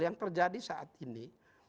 yang terjadi saat ini